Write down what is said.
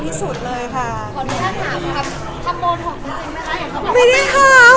พอเสร็จจากเล็กคาเป็ดก็จะมีเยอะแยะมากมาย